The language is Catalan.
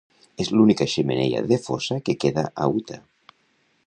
És l'única xemeneia de fosa que queda a Utah.